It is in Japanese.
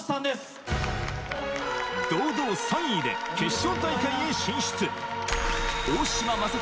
堂々３位で決勝大会へ進出